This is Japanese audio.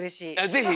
ぜひ！